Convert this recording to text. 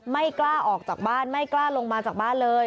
ไม่กล้าออกจากบ้านไม่กล้าลงมาจากบ้านเลย